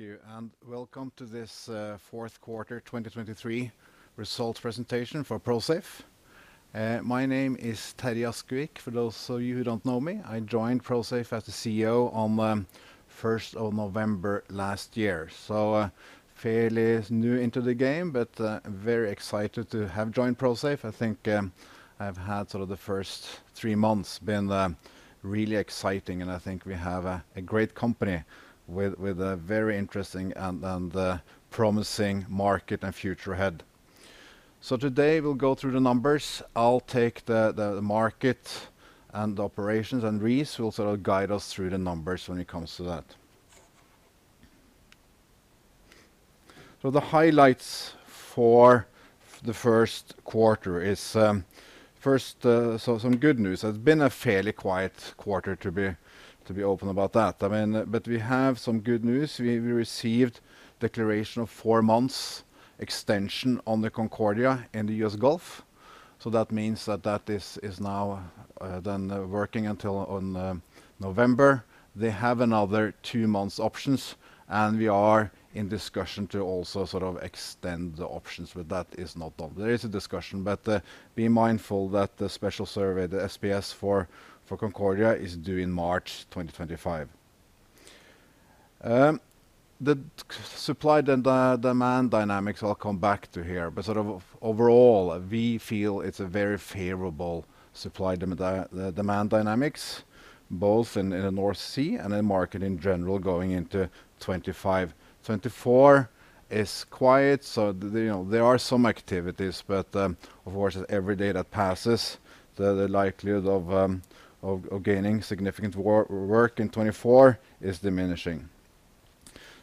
Thank you, and welcome to this fourth quarter 2023 results presentation for Prosafe. My name is Terje Askvig, for those of you who don't know me. I joined Prosafe as the CEO on first of November last year. So, fairly new into the game, but very excited to have joined Prosafe. I think, I've had sort of the first three months been really exciting, and I think we have a great company with a very interesting and promising market and future ahead. So today, we'll go through the numbers. I'll take the market and operations, and Reese will sort of guide us through the numbers when it comes to that. So the highlights for the first quarter is, first, so some good news. It's been a fairly quiet quarter, to be open about that. I mean, but we have some good news. We received declaration of four months extension on the Concordia in the U.S. Gulf. So that means that is now working until November. They have another two months options, and we are in discussion to also sort of extend the options, but that is not done. There is a discussion, but be mindful that the special survey, the SPS for Concordia, is due in March 2025. The supply and demand dynamics, I'll come back to here, but sort of overall, we feel it's a very favorable supply demand dynamics, both in the North Sea and in market in general, going into 2025. 2024 is quiet, so, you know, there are some activities, but, of course, every day that passes, the likelihood of gaining significant work in 2024 is diminishing.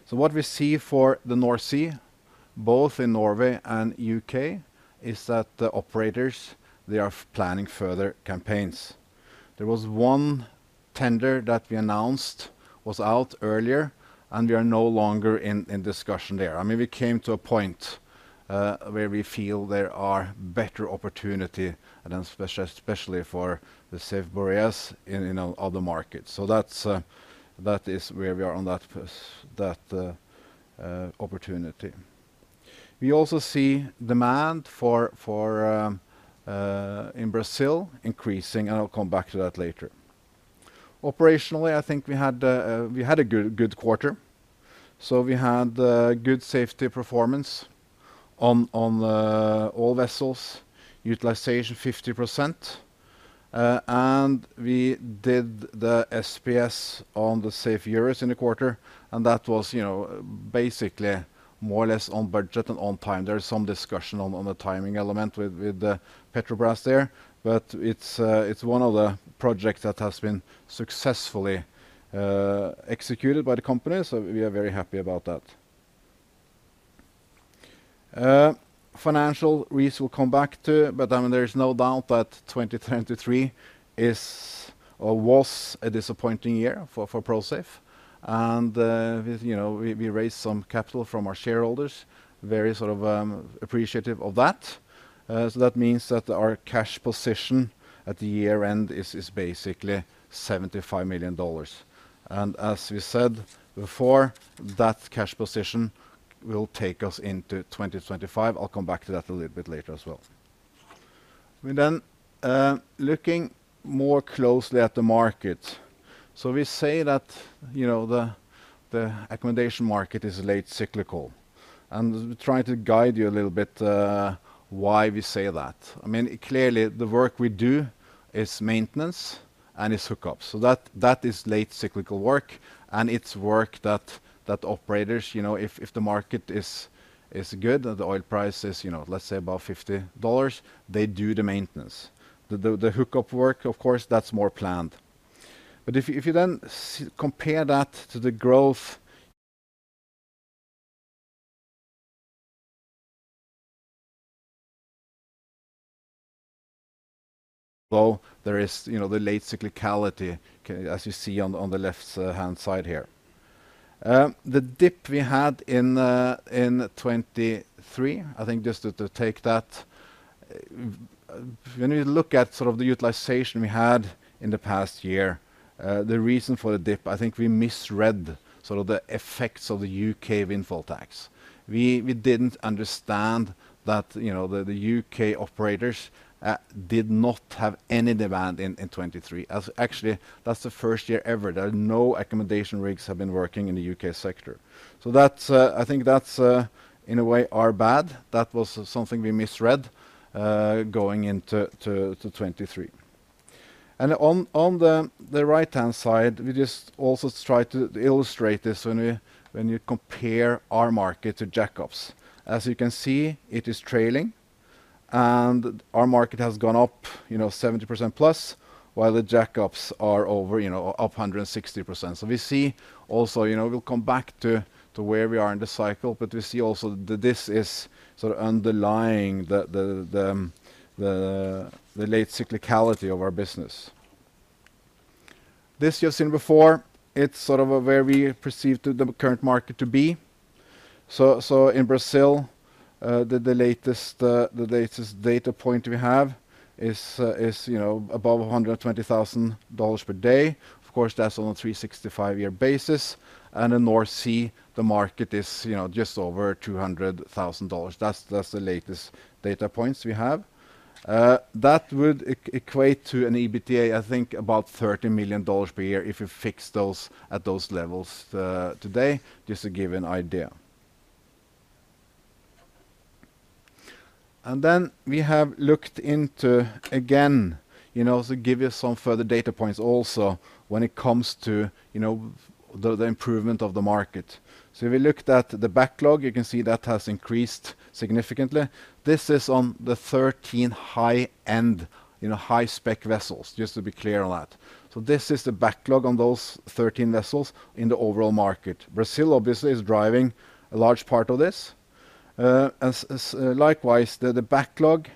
So what we see for the North Sea, both in Norway and U.K., is that the operators, they are planning further campaigns. There was one tender that we announced, was out earlier, and we are no longer in discussion there. I mean, we came to a point where we feel there are better opportunity, and then especially, especially for the Safe Boreas in other markets. So that's, that is where we are on that first opportunity. We also see demand for in Brazil increasing, and I'll come back to that later. Operationally, I think we had a good quarter. So we had a good safety performance on all vessels. Utilization, 50%. And we did the SPS on the Safe Eurus in the quarter, and that was, you know, basically more or less on budget and on time. There is some discussion on the timing element with the Petrobras there, but it's one of the projects that has been successfully executed by the company, so we are very happy about that. Financial, Reese will come back to, but, I mean, there is no doubt that 2023 is or was a disappointing year for Prosafe. And, you know, we raised some capital from our shareholders, very sort of appreciative of that. So that means that our cash position at the year-end is basically $75 million. As we said before, that cash position will take us into 2025. I'll come back to that a little bit later as well. We then looking more closely at the market. So we say that, you know, the, the accommodation market is late cyclical, and we try to guide you a little bit why we say that. I mean, clearly, the work we do is maintenance and is hookups, so that, that is late cyclical work, and it's work that, that operators, you know, if, if the market is, is good, and the oil price is, you know, let's say about $50, they do the maintenance. The, the, the hookup work, of course, that's more planned. But if you, if you then compare that to the growth... So there is, you know, the late cyclicality, okay, as you see on the, on the left-hand side here. The dip we had in 2023, I think just to take that, when you look at sort of the utilization we had in the past year, the reason for the dip, I think we misread sort of the effects of the U.K. windfall tax. We didn't understand that, you know, the U.K. operators did not have any demand in 2023. Actually, that's the first year ever that no accommodation rigs have been working in the U.K. sector. So that's, I think that's, in a way, our bad. That was something we misread, going into 2023. On the right-hand side, we just also try to illustrate this when you compare our market to jackups. As you can see, it is trailing, and our market has gone up, you know, 70%+, while the jackups are over, you know, up 160%. So we see also, you know, we'll come back to where we are in the cycle, but we see also that this is sort of underlying the late cyclicality of our business. This you've seen before, it's sort of where we perceive the current market to be. So in Brazil, the latest data point we have is, you know, above $120,000 per day. Of course, that's on a 365-day basis. In North Sea, the market is, you know, just over $200,000. That's, that's the latest data points we have. That would equate to an EBITDA, I think about $30 million per year, if you fix those at those levels, today, just to give you an idea. Then we have looked into, again, you know, to give you some further data points also when it comes to, you know, the, the improvement of the market. If we looked at the backlog, you can see that has increased significantly. This is on the 13 high-end, you know, high-spec vessels, just to be clear on that. This is the backlog on those 13 vessels in the overall market. Brazil, obviously, is driving a large part of this. As likewise, the backlog,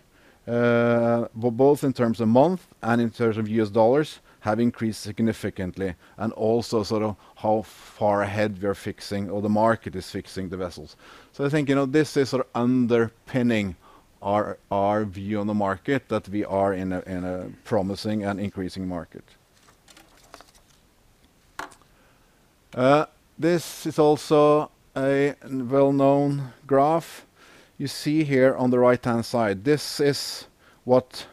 both in terms of months and in terms of U.S. dollars, have increased significantly, and also sort of how far ahead we are fixing or the market is fixing the vessels. So I think, you know, this is sort of underpinning our view on the market, that we are in a promising and increasing market. This is also a well-known graph. You see here on the right-hand side, this is what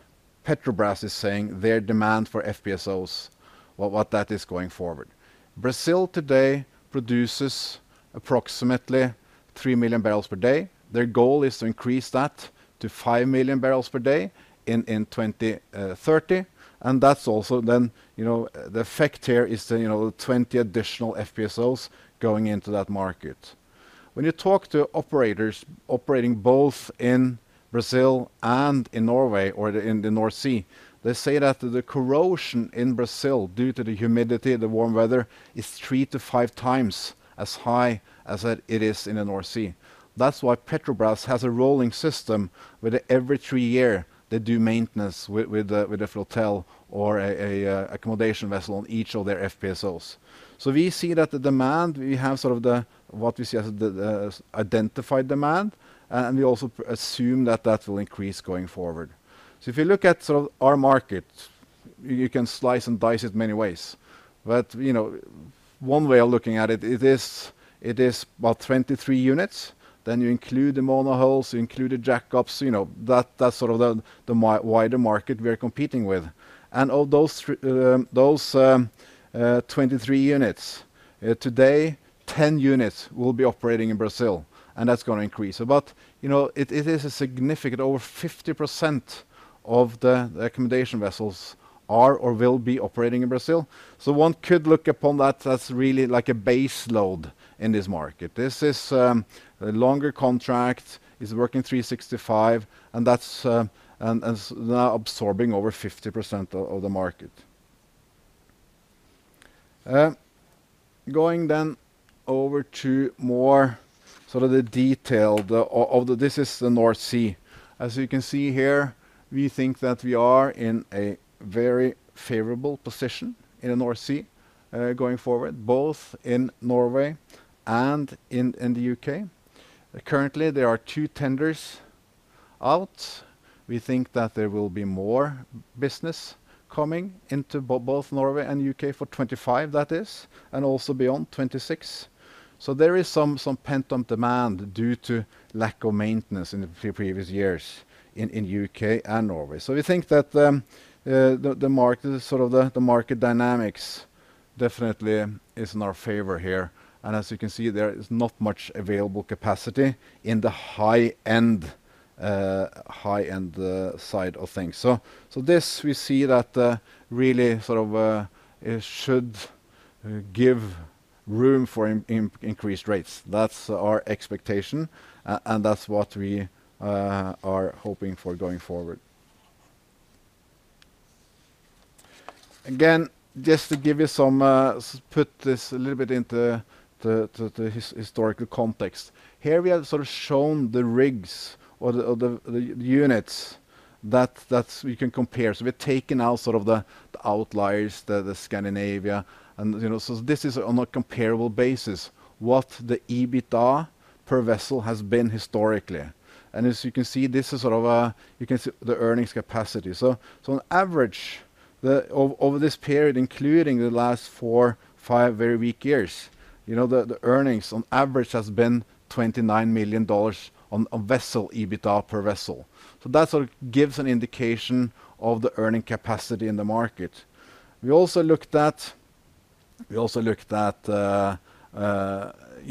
Petrobras is saying, their demand for FPSOs, what that is going forward. Brazil today produces approximately 3 million barrels per day. Their goal is to increase that to 5 million barrels per day in 2030, and that's also then. You know, the effect here is the 20 additional FPSOs going into that market. When you talk to operators operating both in Brazil and in Norway or in the North Sea, they say that the corrosion in Brazil, due to the humidity, the warm weather, is 3–5x as high as it is in the North Sea. That's why Petrobras has a rolling system, where every three year they do maintenance with a flotel or a accommodation vessel on each of their FPSOs. So we see that the demand, we have sort of what we see as the identified demand, and we also assume that that will increase going forward. So if you look at sort of our market, you can slice and dice it many ways. But, you know, one way of looking at it, it is about 23 units. Then you include the monohulls, you include the jackups, you know, that, that's sort of the wider market we are competing with. And of those 23 units, today, 10 units will be operating in Brazil, and that's gonna increase. But, you know, it is a significant, over 50% of the accommodation vessels are or will be operating in Brazil. So one could look upon that as really like a base load in this market. This is a longer contract, is working 365, and that's and is now absorbing over 50% of the market. Going then over to more sort of the details of the. This is the North Sea. As you can see here, we think that we are in a very favorable position in the North Sea going forward, both in Norway and in the U.K. Currently, there are two tenders out. We think that there will be more business coming into both Norway and U.K. for 2025, that is, and also beyond, 2026. So there is some pent-up demand due to lack of maintenance in the previous years in U.K. and Norway. So we think that the market dynamics definitely is in our favor here. And as you can see, there is not much available capacity in the high-end side of things. So this, we see that really sort of it should give room for increased rates. That's our expectation, and that's what we are hoping for going forward. Again, just to give you some... Put this a little bit into the historical context. Here, we have sort of shown the rigs or the units that we can compare. So we've taken out sort of the outliers, the Scandinavia, and, you know, so this is on a comparable basis, what the EBITDA per vessel has been historically. And as you can see, this is sort of you can see the earnings capacity. So on average, Over this period, including the last four, five very weak years, you know, the earnings on average has been $29 million on a vessel, EBITDA per vessel. So that sort of gives an indication of the earning capacity in the market. We also looked at, you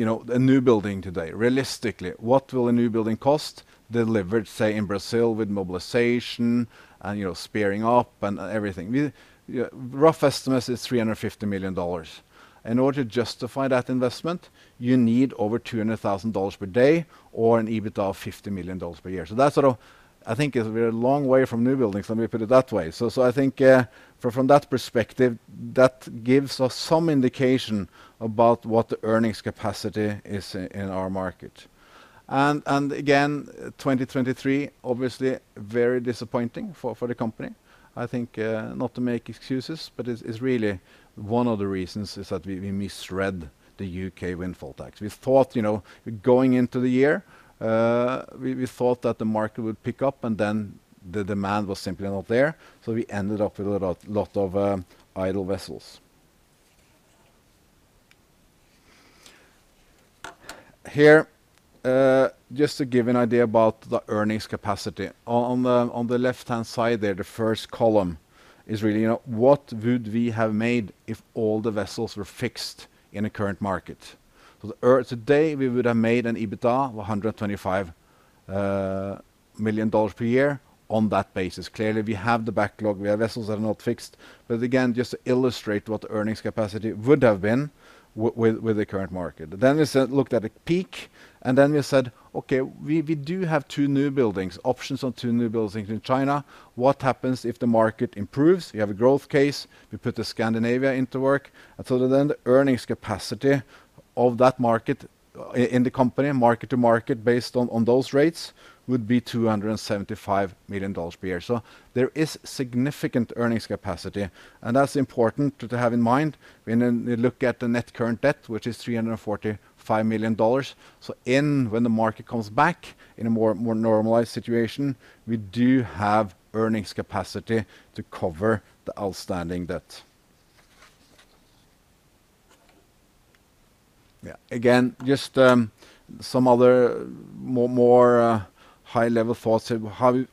know, a new building today. Realistically, what will a new building cost, delivered, say, in Brazil, with mobilization and, you know, sparing up and everything? Rough estimate is $350 million. In order to justify that investment, you need over $200,000 per day or an EBITDA of $50 million per year. So that sort of I think is a very long way from new buildings, let me put it that way. So, I think, from that perspective, that gives us some indication about what the earnings capacity is in our market. And again, 2023, obviously very disappointing for the company. I think, not to make excuses, but it's, it's really one of the reasons is that we, we misread the U.K. windfall tax. We thought, you know, going into the year, we, we thought that the market would pick up and then the demand was simply not there, so we ended up with a lot, lot of, idle vessels. Here, just to give an idea about the earnings capacity. On the, on the left-hand side there, the first column is really, you know, what would we have made if all the vessels were fixed in the current market? So today, we would have made an EBITDA of $125 million per year on that basis. Clearly, we have the backlog, we have vessels that are not fixed. Again, just to illustrate what the earnings capacity would have been with the current market. We looked at the peak, and then we said, "Okay, we do have two new buildings, options on two new buildings in China. What happens if the market improves? We have a growth case, we put the Scandinavia into work." And so then the earnings capacity of that market in the company, market-to-market, based on those rates, would be $275 million per year. So there is significant earnings capacity, and that's important to have in mind when we look at the net current debt, which is $345 million. So when the market comes back in a more normalized situation, we do have earnings capacity to cover the outstanding debt. Yeah. Again, just some other more high-level thoughts about how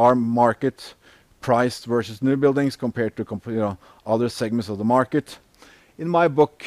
our market is priced versus new buildings compared to other segments of the market. In my book,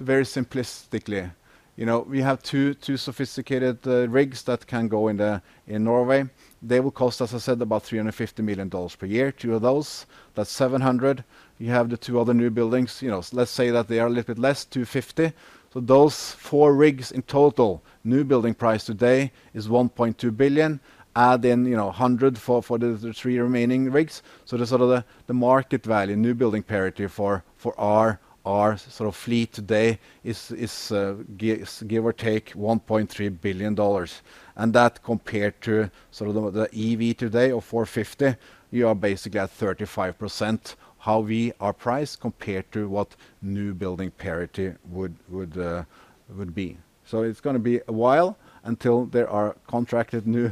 very simplistically, you know, we have two sophisticated rigs that can go in Norway. They will cost, as I said, about $350 million per year. Two of those, that's $700 million. You have the two other new buildings, you know, let's say that they are a little bit less, $250 million. So those four rigs in total, new-building price today is $1.2 billion. Add in, you know, $100 million for the three remaining rigs. So the sort of market value, new building parity for our sort of fleet today is, give or take $1.3 billion. And that compared to the EV today of $450 million, you are basically at 35%, how we are priced compared to what new building parity would be. So it's gonna be a while until there are contracted new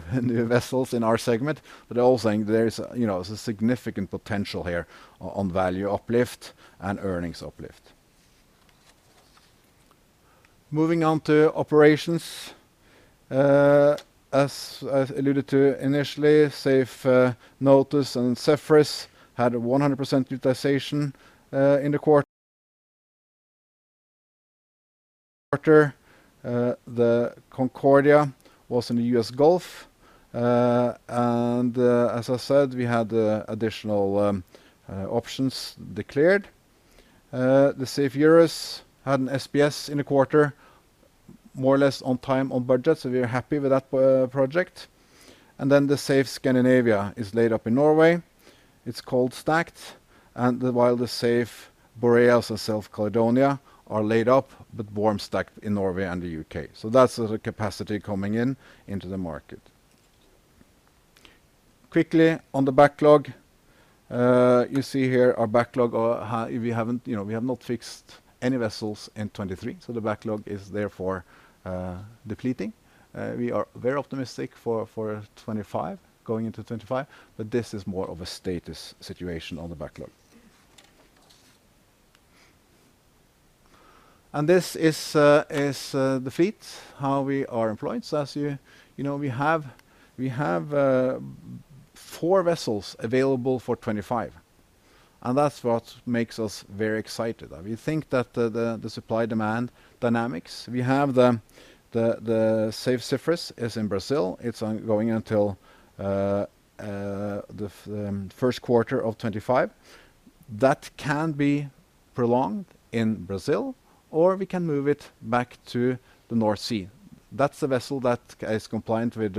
vessels in our segment. But also, there is, you know, a significant potential here on value uplift and earnings uplift. Moving on to operations. As I alluded to initially, Safe Notos and Safe Zephyrus had 100% utilization in the quarter. The Safe Concordia was in the U.S. Gulf. And as I said, we had additional options declared. The Safe Eurus had an SPS in the quarter, more or less on time, on budget, so we are happy with that project. And then the Safe Scandinavia is laid up in Norway. It's cold stacked, and while the Safe Boreas and Safe Caledonia are laid up, but warm-stacked in Norway and the U.K. So that's the capacity coming in, into the market. Quickly on the backlog. You see here our backlog, we haven't, you know, we have not fixed any vessels in 2023, so the backlog is therefore, depleting. We are very optimistic for 2025, going into 2025, but this is more of a status situation on the backlog. And this is the fleet, how we are employed. So as you know, we have four vessels available for 2025, and that's what makes us very excited. We think that the supply-demand dynamics, the Safe Zephyrus is in Brazil. It's ongoing until the first quarter of 2025. That can be prolonged in Brazil, or we can move it back to the North Sea. That's the vessel that is compliant with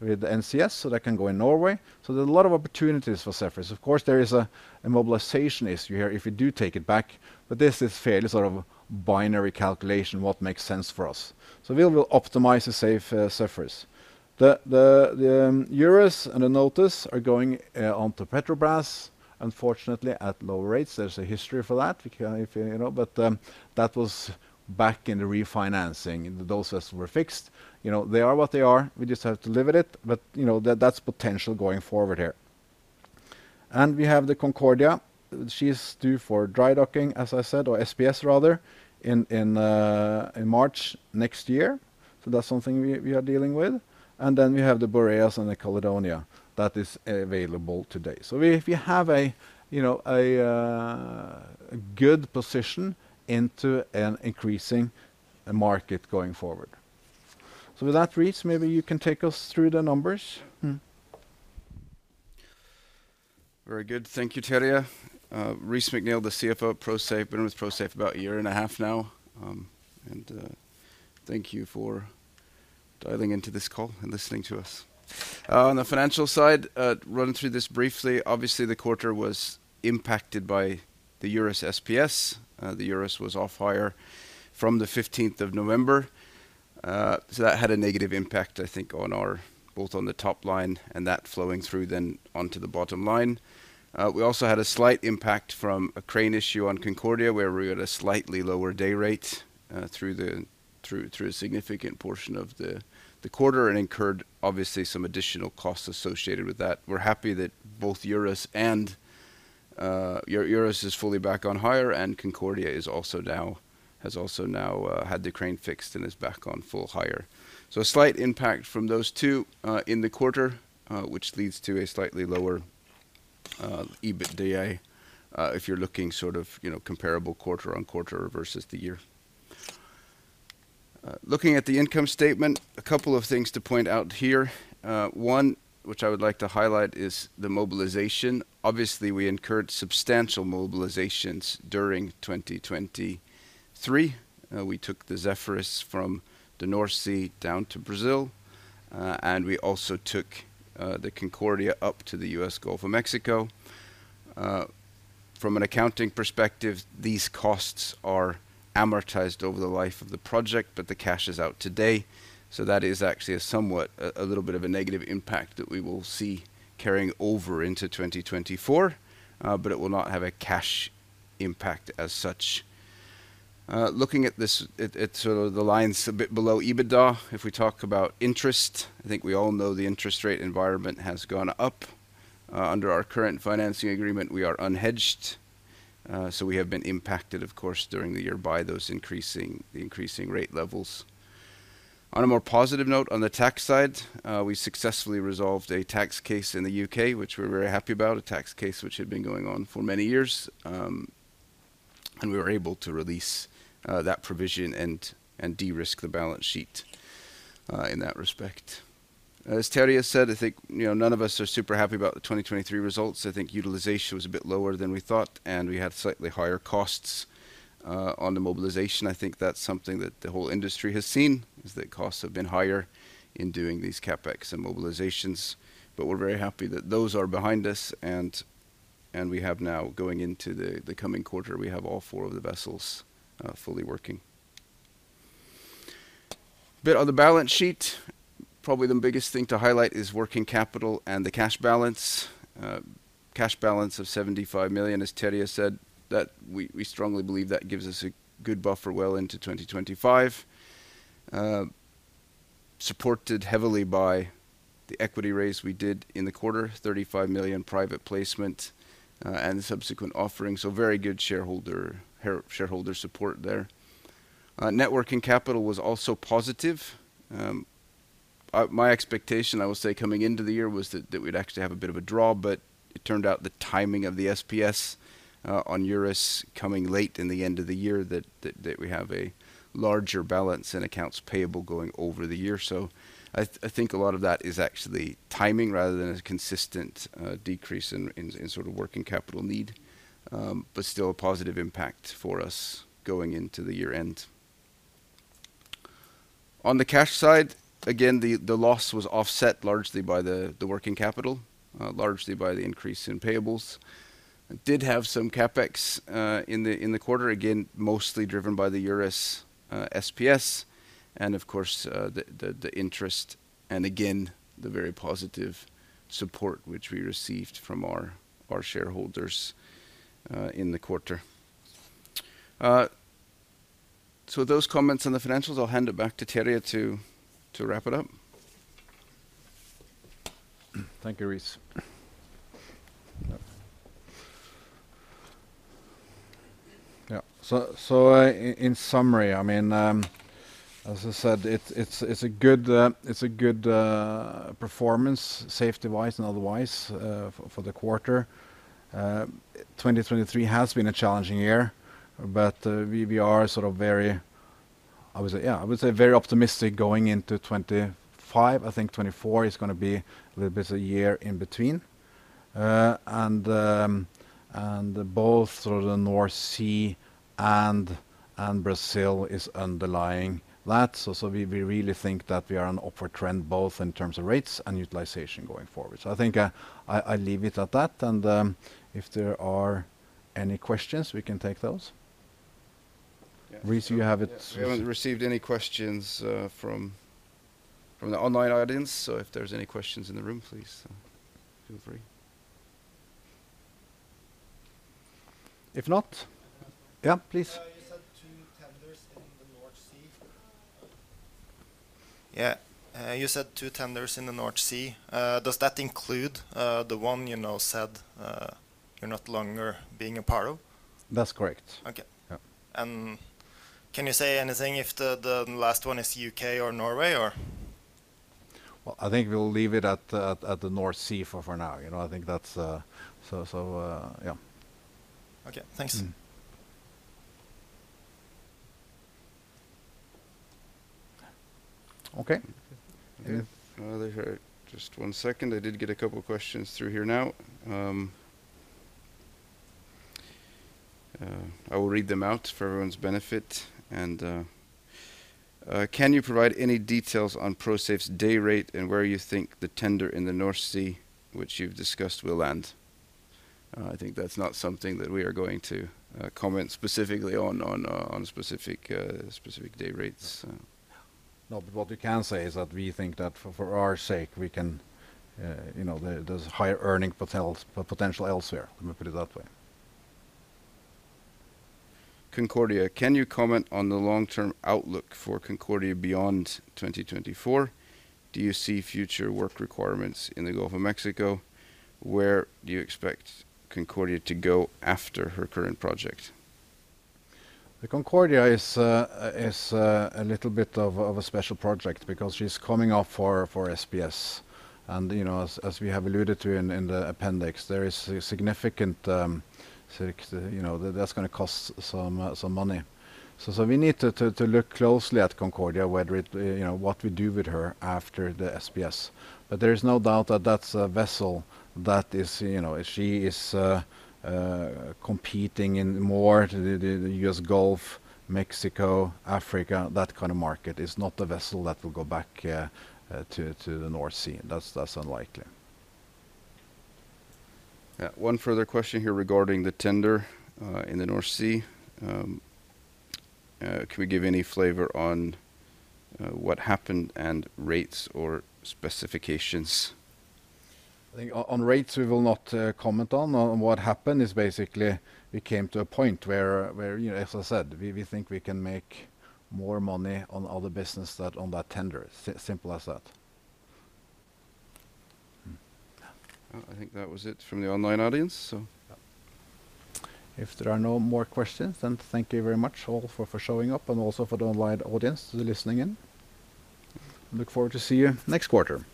NCS, so that can go in Norway. So there's a lot of opportunities for Zephyrus. Of course, there is a mobilization issue here if we do take it back, but this is fairly sort of a binary calculation, what makes sense for us. So we will optimize the Safe Zephyrus. The Eurus and the Notos are going onto Petrobras, unfortunately, at lower rates. There's a history for that, if you know, but that was back in the refinancing. Those vessels were fixed. You know, they are what they are. We just have to live with it, but you know, that's potential going forward here. And we have the Concordia. She's due for dry docking, as I said, or SPS rather, in March next year. So that's something we are dealing with. And then we have the Boreas and the Caledonia that is available today. So if you have a, you know, a good position into an increasing market going forward. So with that, Reese, maybe you can take us through the numbers? Hmm. Very good. Thank you, Terje. Reese McNeel, the CFO at Prosafe. Been with Prosafe about a year and a half now. And thank you for dialing into this call and listening to us. On the financial side, running through this briefly, obviously, the quarter was impacted by the Eurus SPS. The Eurus was off-hire from the fifteenth of November. So that had a negative impact, I think, on our both on the top line and that flowing through then onto the bottom line. We also had a slight impact from a crane issue on Concordia, where we were at a slightly lower day rate through a significant portion of the quarter, and incurred, obviously, some additional costs associated with that. We're happy that both Eurus and Eurus is fully back on hire, and Concordia has also now had the crane fixed and is back on full hire. So a slight impact from those two in the quarter, which leads to a slightly lower EBITDA if you're looking sort of, you know, comparable quarter-on-quarter versus the year. Looking at the income statement, a couple of things to point out here. One, which I would like to highlight, is the mobilization. Obviously, we incurred substantial mobilizations during 2023. We took the Zephyrus from the North Sea down to Brazil, and we also took the Concordia up to the U.S. Gulf of Mexico. From an accounting perspective, these costs are amortized over the life of the project, but the cash is out today, so that is actually a somewhat, a little bit of a negative impact that we will see carrying over into 2024. But it will not have a cash impact as such. Looking at this, at sort of the lines a bit below EBITDA, if we talk about interest, I think we all know the interest rate environment has gone up. Under our current financing agreement, we are unhedged. So we have been impacted, of course, during the year by those increasing rate levels. On a more positive note, on the tax side, we successfully resolved a tax case in the U.K., which we're very happy about, a tax case which had been going on for many years. And we were able to release that provision and de-risk the balance sheet in that respect. As Terje has said, I think, you know, none of us are super happy about the 2023 results. I think utilization was a bit lower than we thought, and we had slightly higher costs on the mobilization. I think that's something that the whole industry has seen, is that costs have been higher in doing these CapEx and mobilizations. But we're very happy that those are behind us, and we have now, going into the coming quarter, we have all four of the vessels fully working. But on the balance sheet, probably the biggest thing to highlight is working capital and the cash balance. Cash balance of $75 million, as Terje said, that we strongly believe that gives us a good buffer well into 2025. Supported heavily by the equity raise we did in the quarter, $35 million private placement, and the subsequent offering, so very good shareholder support there. Net working capital was also positive. My expectation, I will say, coming into the year, was that we'd actually have a bit of a draw, but it turned out the timing of the SPS on Eurus coming late in the end of the year, that we have a larger balance and accounts payable going over the year. So I think a lot of that is actually timing rather than a consistent decrease in sort of working capital need, but still a positive impact for us going into the year-end. On the cash side, again, the loss was offset largely by the working capital, largely by the increase in payables. Did have some CapEx in the quarter, again, mostly driven by the Eurus SPS, and of course, the interest, and again, the very positive support which we received from our shareholders in the quarter. So with those comments on the financials, I'll hand it back to Terje to wrap it up. Thank you, Reese. Yeah, so in summary, I mean, as I said, it's a good performance, safety-wise and otherwise, for the quarter. 2023 has been a challenging year, but we are sort of very optimistic going into 2025. I think 2024 is gonna be a little bit a year in between. And both sort of the North Sea and Brazil is underlying that. So we really think that we are on upward trend, both in terms of rates and utilization going forward. So I think I leave it at that, and if there are any questions, we can take those. Reese, you have it- We haven't received any questions from the online audience, so if there's any questions in the room, please feel free. If not... Yeah, please. You said two tenders in the North Sea. Yeah, you said two tenders in the North Sea. Does that include the one you now said you're no longer being a part of? That's correct. Okay. Yeah. Can you say anything if the last one is U.K. or Norway, or? Well, I think we'll leave it at the North Sea for now. You know, I think that's... So, yeah. Okay, thanks. Mm-hmm. Okay. Just one second. I did get a couple questions through here now. I will read them out for everyone's benefit. Can you provide any details on Prosafe's day rate and where you think the tender in the North Sea, which you've discussed, will land? I think that's not something that we are going to comment specifically on specific day rates. No, but what we can say is that we think that for our sake, we can, you know, there's higher earning potential elsewhere. Let me put it that way. Concordia, can you comment on the long-term outlook for Concordia beyond 2024? Do you see future work requirements in the Gulf of Mexico? Where do you expect Concordia to go after her current project? The Concordia is a little bit of a special project because she's coming off for SPS. You know, as we have alluded to in the appendix, there is a significant, you know, that's gonna cost some money. So we need to look closely at Concordia, whether, you know, what we do with her after the SPS. But there is no doubt that that's a vessel that is, you know... She is competing in the U.S. Gulf of Mexico, Africa, that kind of market. It's not a vessel that will go back to the North Sea. That's unlikely. One further question here regarding the tender in the North Sea. Can we give any flavor on what happened and rates or specifications? I think on rates, we will not comment on. On what happened is basically we came to a point where you know, as I said, we think we can make more money on other business than on that tender. Simple as that. Yeah. I think that was it from the online audience, so- Yeah. If there are no more questions, then thank you very much, all, for showing up and also for the online audience who are listening in. Look forward to see you next quarter.